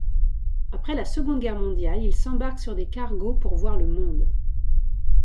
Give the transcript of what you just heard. Après la Seconde Guerre mondiale, il s'embarque sur des cargos pour voir le monde.